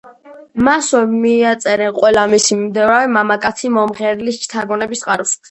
მასვე მიაწერენ ყველა მისი მიმდევარი მამაკაცი მომღერლის შთაგონების წყაროს.